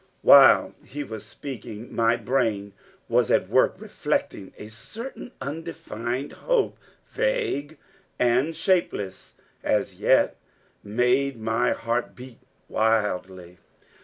While he was speaking, my brain was at work reflecting. A certain undefined hope, vague and shapeless as yet, made my heart beat wildly.